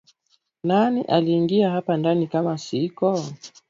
Nani aliingia hapa ndani kama siko?